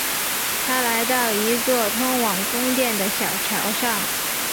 他来到一座通往宫殿的小桥上。